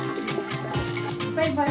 バイバーイ。